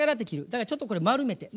だからちょっとこれ丸めて。